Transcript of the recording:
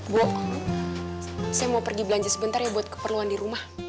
bu saya mau pergi belanja sebentar ya buat keperluan di rumah